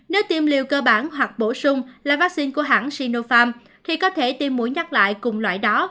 nếu tiêm liều cơ bản hoặc bổ sung là vaccine của hãng sinofarm thì có thể tiêm mũi nhắc lại cùng loại đó